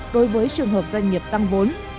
đối với trường hợp doanh nghiệp tăng vốn